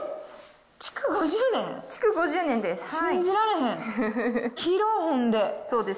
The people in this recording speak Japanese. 築５０年です。